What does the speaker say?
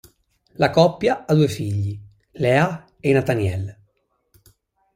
La coppia ha due figli: Leah e Nathaniel.